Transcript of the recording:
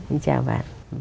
xin chào bà